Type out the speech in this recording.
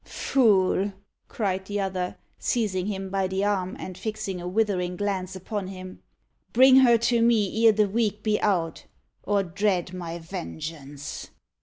"Fool!" cried the other, seizing him by the arm, and fixing a withering glance upon him. "Bring her to me ere the week be out, or dread my vengeance!"